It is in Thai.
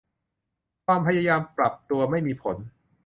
ความพยายามปรับตัวไม่มีผล